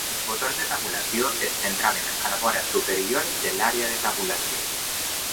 Els botons de tabulació es centraven a la vora superior de l'àrea de tabulació.